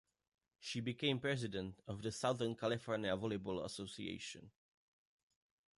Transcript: She became president of the Southern California Volleyball Association.